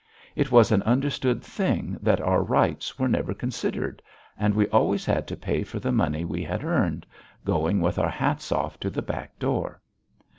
It was an understood thing that our rights were never considered, and we always had to pay for the money we had earned, going with our hats off to the back door.